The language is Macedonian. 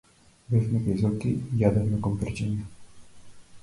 Бевме кај Зоки и јадевме компирчиња.